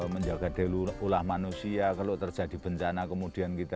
menjaga delu ulah manusia kalau terjadi bencana kemudian kita